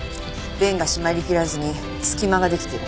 弁が閉まりきらずに隙間が出来てる。